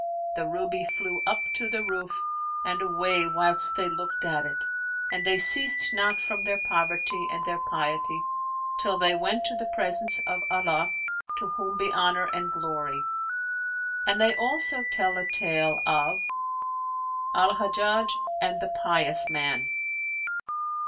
the ruby flew up to the roof and away whilst they looked at it. And they ceased not from their poverty and their piety, till they went to the presence of Allah, to whom be Honour and Glory! And they also tell a tale of AL HAJJAJ AND THE PIOUS MAN.